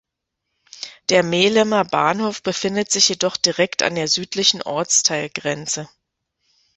Der Mehlemer Bahnhof befindet sich jedoch direkt an der südlichen Ortsteilgrenze.